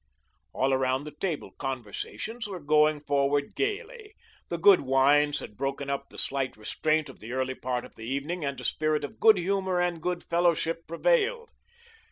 All around the table conversations were going forward gayly. The good wines had broken up the slight restraint of the early part of the evening and a spirit of good humour and good fellowship prevailed.